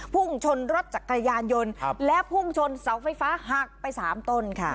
พุ่งชนรถจักรยานยนต์และพุ่งชนเสาไฟฟ้าหักไปสามต้นค่ะ